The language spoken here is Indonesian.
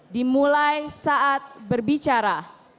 dimulai saat berbicara